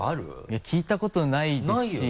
いや聞いたことないですし。